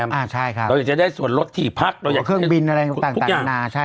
เราอยากจะได้สวนรถที่พักเครื่องบินอะไรต่างทุกอย่าง